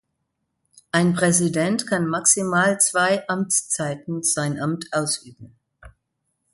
Ein Präsident kann maximal zwei Amtszeiten sein Amt ausüben.